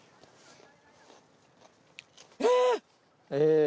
えっ！